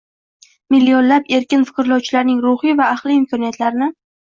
Millionlab erkin fikrlovchilarning ruhiy va aqliy imkoniyatlarini